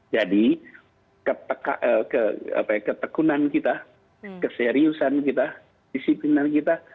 jadi ketekunan kita keseriusan kita disiplinan kita